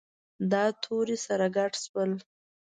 دا توري سره ګډ شول.